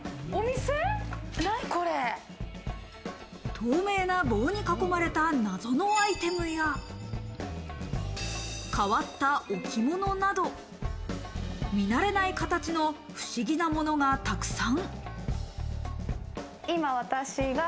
透明な棒に囲まれた謎のアイテムや、変わった置物など、見慣れない形の不思議なものがたくさん。